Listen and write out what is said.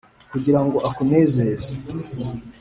Kugira ngo akuneze.